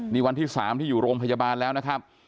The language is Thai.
นี่วันที่๓ที่อยู่โรงพยาบาลแล้วนะครับ